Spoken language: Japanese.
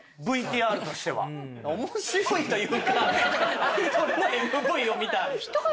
面白いというかアイドルのＭＶを見た。